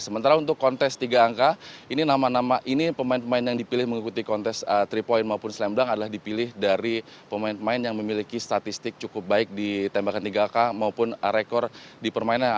sementara untuk kontes tiga angka ini nama nama ini pemain pemain yang dipilih mengikuti kontes tiga point maupun slam blund adalah dipilih dari pemain pemain yang memiliki statistik cukup baik di tembakan tiga k maupun rekor di permainan